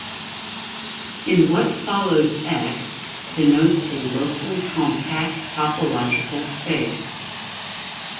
In what follows "X" denotes a locally compact topological space.